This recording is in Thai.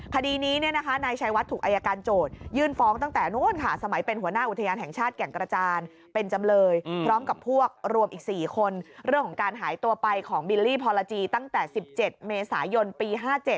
คดีนี้เนี่ยนะคะทางและไปของบิลลี่ภอลาจีตั้งแต่๑๗เมษายนปี๕๗